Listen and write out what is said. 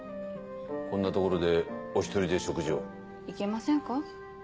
こんな所でお１人で食事を？いけませんか？